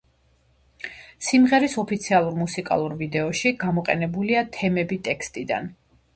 სიმღერის ოფიციალურ მუსიკალურ ვიდეოში გამოყენებულია თემები ტექსტიდან.